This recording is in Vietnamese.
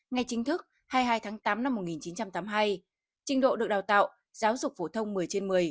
ngay chính thức hai mươi hai tháng tám năm một nghìn chín trăm tám mươi hai trình độ được đào tạo giáo dục phổ thông một mươi trên một mươi